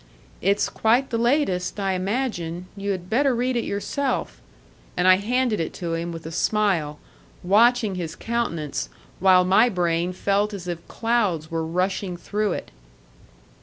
"It's quite the latest, I imagine. You had better read it yourself." And I handed it to him with a smile, watching his countenance, while my brain felt as if clouds were rushing through it.